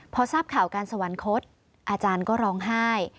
พอทราบข่าวการสวรรคตอาจารย์ก็ร้องไห้